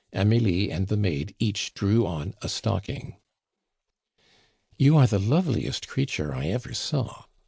Amelie and the maid each drew on a stocking. "You are the loveliest creature I ever saw!"